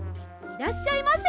いらっしゃいませ！